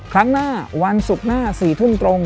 ครั้งหน้าวันศุกร์หน้า๔ทุ่มตรง